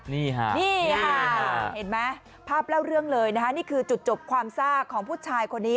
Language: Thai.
นี่ค่ะนี่ค่ะเห็นไหมภาพเล่าเรื่องเลยนะคะนี่คือจุดจบความซากของผู้ชายคนนี้